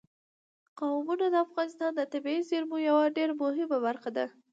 قومونه د افغانستان د طبیعي زیرمو یوه ډېره مهمه برخه ده.